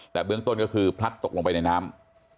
แต่เบื้องต้นก็คือพลัดตกลงไปในน้ำ